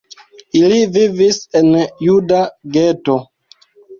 Ili vivis en juda geto.